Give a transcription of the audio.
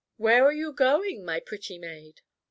"'Where are you going, my pretty maid?'"